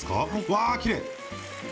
わあ、きれい！